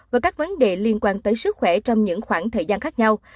và các vấn đề liên quan tới sức khỏe trong những khoảng thời gian khác nhau